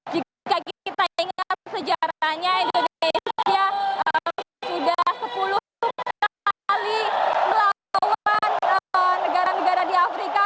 jika kita ingat sejarahnya indonesia sudah sepuluh kali melawan negara negara di afrika